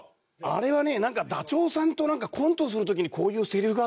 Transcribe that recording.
あれはねダチョウさんとコントする時にこういうセリフがあって。